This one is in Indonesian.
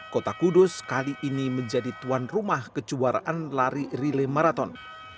kota kudus kali ini menjadi tuan rumah kejuaraan lari relay marathon